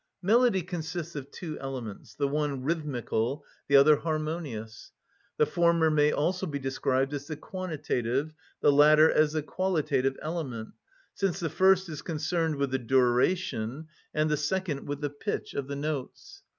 Melody consists of two elements, the one rhythmical, the other harmonious. The former may also be described as the quantitative, the latter as the qualitative element, since the first is concerned with the duration, and the second with the pitch of the notes.